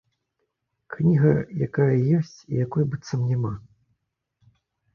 Кніга, якая ёсць і якой быццам няма.